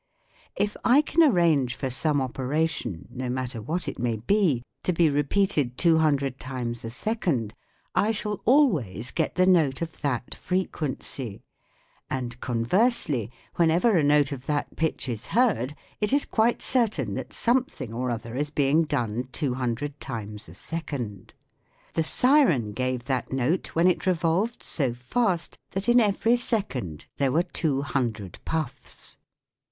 If I can arrange for some operation, no matter what it may be, to be repeated two hundred times a second, I shall always get the note of that frequency; and conversely, whenever a note of that pitch is heard, it is quite certain that some thing or other is being done two hundred times a second. The siren gave that note when it revolved so fast that in every second there were two hundred puffs.